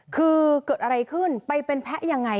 คือเกิดอะไรขึ้นไปเป็นแพะยังไง